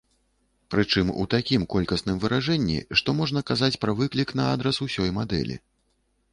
Прычым у такім колькасным выражэнні, што можна казаць пра выклік на адрас усёй мадэлі.